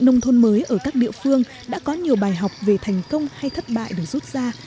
nông thôn mới ở các địa phương đã có nhiều bài học về thành công hay thất bại được rút ra